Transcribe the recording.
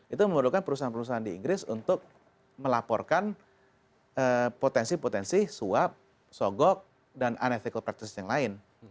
itu memerlukan perusahaan perusahaan di inggris untuk melaporkan potensi potensi suap sogok dan anetycol practices yang lain